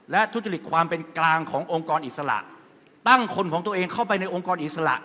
และทุจริตความเป็นกลางขององค์กรอิสระตั้งคนของตัวเองเข้าไปในองค์กรอิสระ